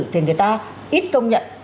thì người ta ít công nhận